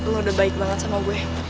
lu udah baik banget sama gue